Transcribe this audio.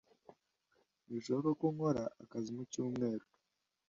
ntibishoboka ko nkora akazi mu cyumweru.